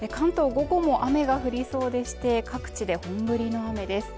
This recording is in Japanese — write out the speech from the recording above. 午後も雨が降りそうでして各地で本降りの雨です